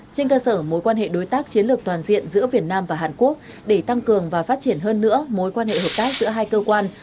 trên cơ sở mối quan hệ đối tác chiến lược toàn diện giữa việt nam và hàn quốc để tăng cường và phát triển hơn nữa mối quan hệ hợp tác giữa hai cơ quan